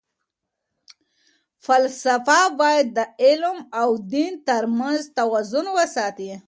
فلاسفه باید د علم او دین ترمنځ توازن وساتي.